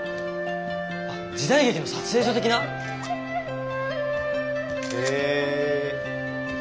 あっ時代劇の撮影所的な？へえ。